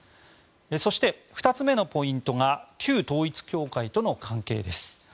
そして、２つ目のポイントが旧統一教会との関係です。